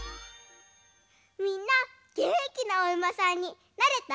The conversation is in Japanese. みんなげんきなおうまさんになれた？